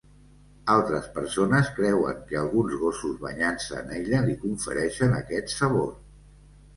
Altres persones creuen que alguns gossos banyant-se en ella li confereixen aquest sabor.